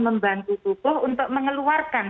membantu tukuh untuk mengeluarkan